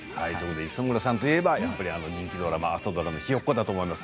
磯村さんといえば人気ドラマ、朝ドラの「ひよっこ」だと思います。